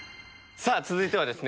さあ続いてはですね